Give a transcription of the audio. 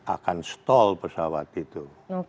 akan stall pesawat itu